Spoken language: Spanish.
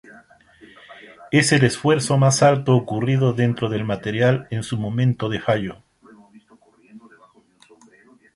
Es el esfuerzo más alto ocurrido dentro del material en su momento de fallo.